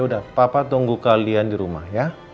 udah papa tunggu kalian di rumah ya